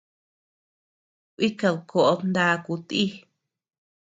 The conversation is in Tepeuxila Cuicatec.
Kuikadkoʼod ndakuu ti.